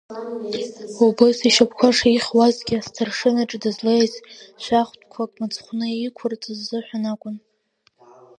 Убыс ишьапқәа шихьуазгьы асҭаршын иҿы дызлеиз, шәахтәқәак мыцхәны иқәырҵаз азыҳәан акәын.